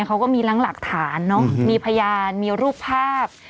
เขาก็มีหลังหลักฐานมีพยานมีรูปภาพ